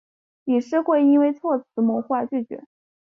理事会因为措辞模糊而拒绝。